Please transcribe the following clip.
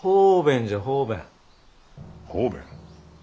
方便？